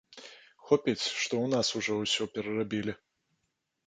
Хопіць, што ў нас ужо ўсё перарабілі.